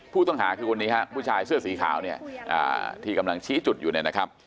ผู้ต้องหาคือคนนี้ฮะผู้ชายเสื้อสีขาวเนี่ยที่กำลังชี้จุดอยู่เนี่ยนะครับ